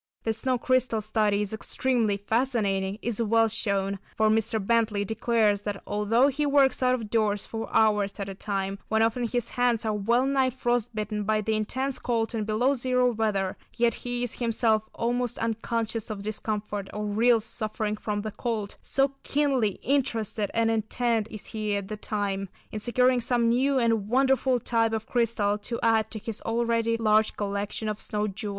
That snow crystal study is extremely fascinating is well shown, for Mr. Bentley declares that although he works out of doors for hours at a time, when often his hands are well nigh frost bitten by the intense cold, in below zero weather, yet he is himself almost unconscious of discomfort or real suffering from the cold, so keenly interested and intent is he at the time, in securing some new and wonderful type of crystal to add to his already large collection of snow jewels.